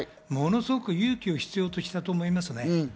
ものすごく勇気を必要としたと思います。